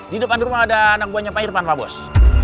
di depan rumah ada anak buahnya pak irfan pak bos